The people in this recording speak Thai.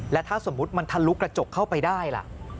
และถ้าสมมุติมันทะลุกระจกเข้าไปได้ล่ะ